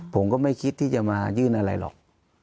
ผมก็ไม่คิดที่จะมายื่นอะไรหรอก